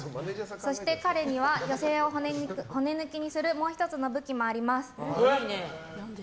そして彼には女性を骨抜きにするもう１つの武器もあります。